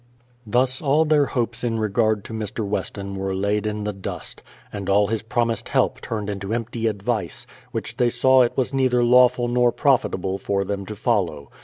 Thus all their hopes in regard to Mr. Weston were laid in the dust, and all his promised help turned into empty advice, which they saw it was neither lawful nor profitable for them to follow.